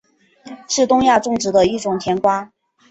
是东亚种植的一种甜瓜。